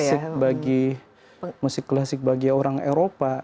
ibarat musik klasik bagi orang eropa